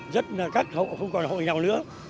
rất là các hộ không còn hộ nghèo nữa